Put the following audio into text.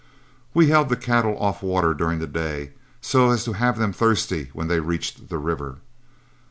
We held the cattle off water during the day, so as to have them thirsty when they reached the river.